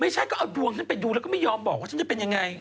ไม่ใช่ก็เอาดวงฉันไปดูแล้วก็ไม่ยอมบอกว่าฉันจะเป็นยังไง